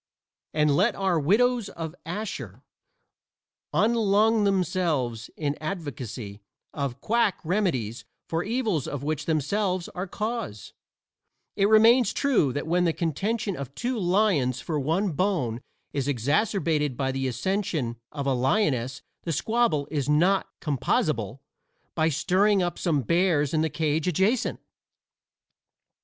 And let our Widows of Ashur unlung themselves in advocacy of quack remedies for evils of which themselves are cause; it remains true that when the contention of two lions for one bone is exacerbated by the accession of a lioness the squabble is not composable by stirring up some bears in the cage adjacent.